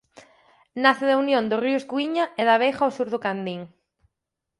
Nace da unión dos ríos Cuíña e da Veiga ao sur de Candín.